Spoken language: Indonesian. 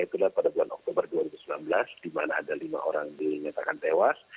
itulah pada bulan oktober dua ribu sembilan belas di mana ada lima orang dinyatakan tewas